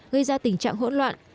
gây ra tình trạng hỗn loạn